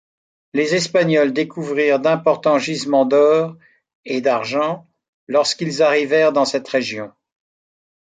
Les Espagnols découvrirent d'importants gisements d'or et d'argent lorsqu'ils arrivèrent dans cette région.